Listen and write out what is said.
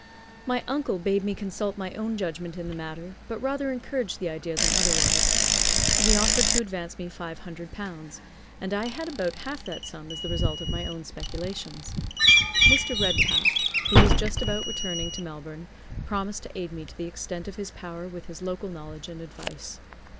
My uncle bade me consult my own judgment in the matter, but rather encouraged the idea than otherwise. He offered to advance me L500, and I had about half that sum as the result of my own speculations. Mr. Redpath, who was just about returning to Melbourne, promised to aid me to the extent of his power with his local knowledge and advice.